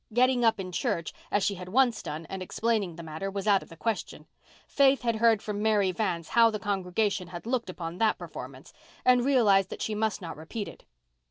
Getting up in church, as she had once done, and explaining the matter was out of the question. Faith had heard from Mary Vance how the congregation had looked upon that performance and realized that she must not repeat it.